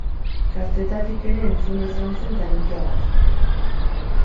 Gaztetatik ere entzuna izan zen talentuagatik.